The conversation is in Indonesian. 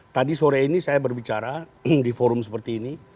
tadi sore ini saya berbicara di forum seperti ini